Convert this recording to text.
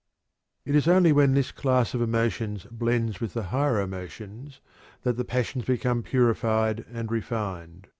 It is only when this class of emotions blends with the higher emotions that the passions become purified and refined.